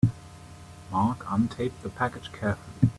Mark untaped the package carefully.